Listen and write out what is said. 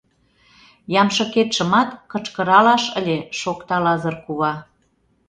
— Ямшыкетшымат кычкыралаш ыле, — шокта Лазыр кува.